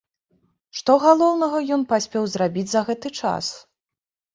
Што галоўнага ён паспеў зрабіць за гэты час?